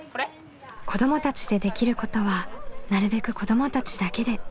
子どもたちでできることはなるべく子どもたちだけで。